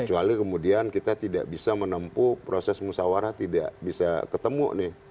kecuali kemudian kita tidak bisa menempuh proses musawarah tidak bisa ketemu nih